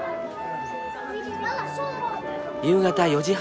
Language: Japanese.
夕方４時半。